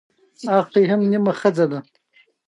جنوبي امریکا جغرافیوي موقعیت د ترانسپورت پراختیا سبب شوی.